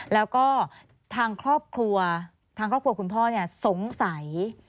แล้วก็ทางครอบครัวทางครอบครัวคุณพ่อสงสัย